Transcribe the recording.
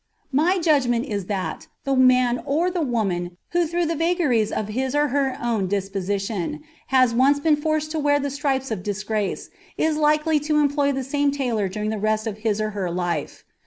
My judgment is that the man or woman who through the vagaries of his or her own disposition has once been forced to wear the stripes of disgrace is likely to employ the same tailor during the rest of his or her life.